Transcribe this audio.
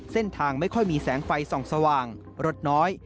ไม่ค่อยมีแสงไฟส่องสว่างรถน้อย